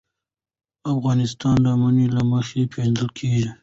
افغانستان د منی له مخې پېژندل کېږي.